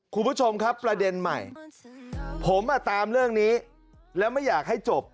คุณผู้ชมครับประเด็นใหม่ผมอ่ะตามเรื่องนี้แล้วไม่อยากให้จบ